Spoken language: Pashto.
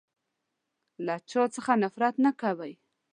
له چا څخه نفرت نه کوی.